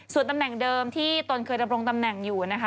ส่วนตำแหน่งเดิมที่ตนเคยดำรงตำแหน่งอยู่นะคะ